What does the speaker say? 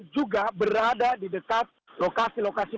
juga berada di dekat lokasi lokasi